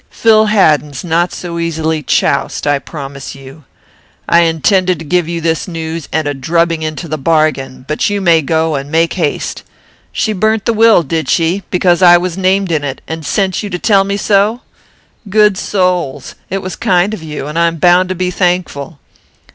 Phil Haddin's not so easily choused, I promise you. I intended to give you this news, and a drubbing into the bargain; but you may go, and make haste. She burnt the will, did she, because I was named in it, and sent you to tell me so? Good souls! It was kind of you, and I am bound to be thankful.